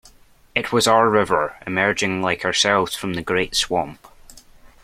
It was our river emerging like ourselves from the great swamp.